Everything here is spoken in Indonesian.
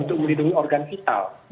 untuk melindungi organ vital